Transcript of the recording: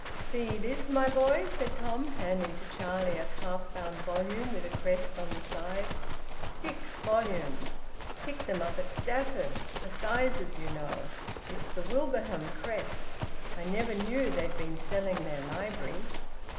"See this, my boy?" said Tom, handing to Charlie a calf bound volume, with a crest on the sides. "Six volumes. Picked them up at Stafford Assizes, you know. It's the Wilbraham crest. I never knew they'd been selling their library."